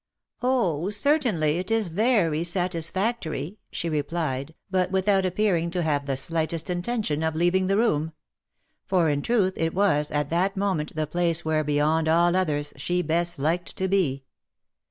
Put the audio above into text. " Oh ! certainly — it is very satisfactory," she replied, but without appearing to have the slightest intention of leaving the room ; for, in truth, it was at that moment the place where, beyond all others, she best liked to be.